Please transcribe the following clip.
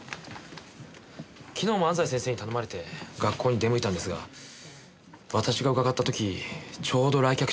昨日も安西先生に頼まれて学校に出向いたんですが私が伺った時ちょうど来客中で。